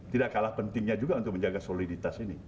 tidak kalah pentingnya juga untuk menjaga soliditas ini